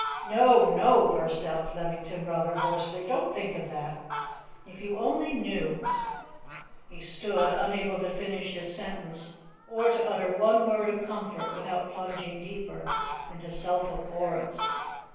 "No, no!" burst out Flemington rather hoarsely. "Don't think of that! If you only knew " He stood, unable to finish his sentence or to utter one word of comfort without plunging deeper into self abhorrence.